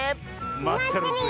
まってるぜえ。